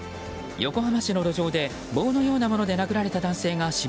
横浜市の路上で棒のようなもので殴られた男性が死亡。